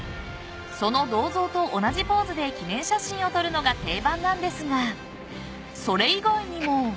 ［その銅像と同じポーズで記念写真を撮るのが定番なんですがそれ以外にも］